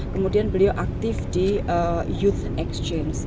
kemudian beliau aktif di indonesia